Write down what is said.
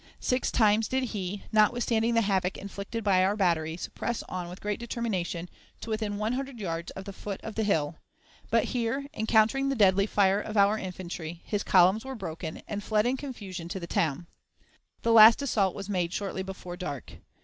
Six times did he, notwithstanding the havoc inflicted by our batteries, press on with great determination to within one hundred yards of the foot of the hill; but here, encountering the deadly fire of our infantry, his columns were broken, and fled in confusion to the town. The last assault was made shortly before dark.